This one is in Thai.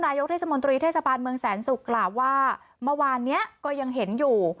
นายกเทศมนตรีเทศบาลเมืองแสนศุกร์กล่าวว่าเมื่อวานเนี้ยก็ยังเห็นอยู่